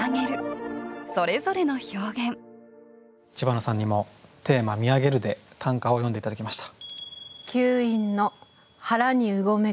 知花さんにもテーマ「見上げる」で短歌を詠んで頂きました。